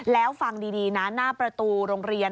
แล้วฟังดีนะหน้าประตูโรงเรียน